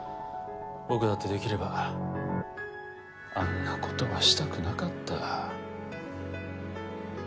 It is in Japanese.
僕だってできればあんな事はしたくなかった。